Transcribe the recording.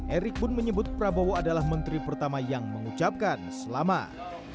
erick pun menyebut prabowo adalah menteri pertama yang mengucapkan selamat